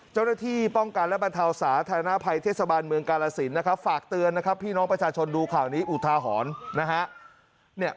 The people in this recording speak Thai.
เจ้าหน้าที่ป้องกันและบรรเทาสาธารณภัยเทศบาลเมืองกาลสินนะครับฝากเตือนนะครับพี่น้องประชาชนดูข่าวนี้อุทาหรณ์นะฮะ